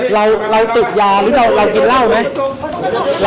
เราทำทำไมรู้สึกผิดแล้วเราทำทำไมอ่ะครับ